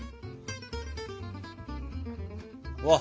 うわ！